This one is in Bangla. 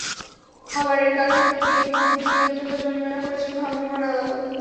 খাবারের কারখানা দুটিকে মোট দুই লাখ টাকা জরিমানা করেছেন ভ্রাম্যমাণ আদালত।